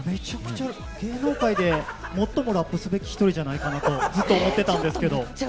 芸能界で最もラップすべき１人じゃないかと思ってたんですけれども。